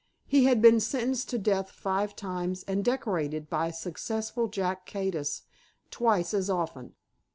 He had been sentenced to death five times, and decorated by successful Jack Cades twice as often.